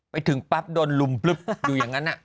ไปถึงปั๊บโดนลุมพลึบอยู่อย่างนั้น